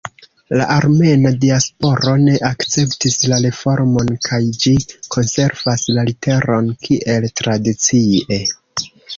La armena diasporo ne akceptis la reformon kaj ĝi konservas la literon kiel tradicie.